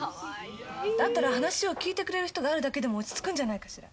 だったら話を聞いてくれる人があるだけでも落ち着くんじゃないかしら。